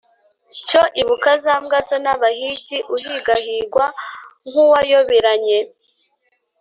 Cyo ibuka za mbwa zo n’abahigi Uhigahigwa nk’uwayoberanye